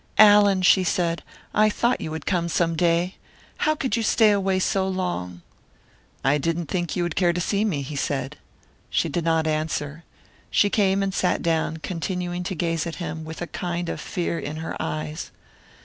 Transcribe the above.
"Allan!" she said. "I thought you would come some day. How could you stay away so long?" "I didn't think you would care to see me," he said. She did not answer. She came and sat down, continuing to gaze at him, with a kind of fear in her eyes.